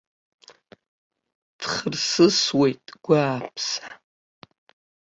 Дхырсысуеит гәааԥса.